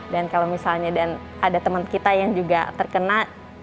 dan kalau misalnya ada teman kita yang juga terkena